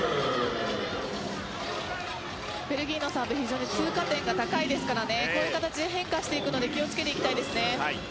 ベルギーのサーブ通過点が高いですからこういう形で変化していくので気を付けたいです。